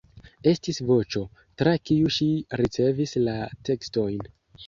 Estis "Voĉo", tra kiu ŝi ricevis la tekstojn.